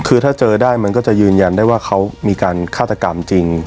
คือถ้าเจอได้มันก็จะยืนยันได้ว่าเขามีการฆาตกรรมจริง